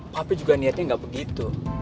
pak be juga niatnya nggak begitu